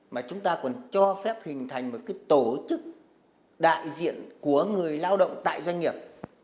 mà chúng ta còn cho phép hình thành một cái tổ chức đại diện của người lao động tại doanh nghiệp